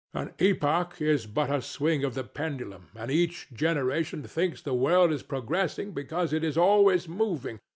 An epoch is but a swing of the pendulum; and each generation thinks the world is progressing because it is always moving.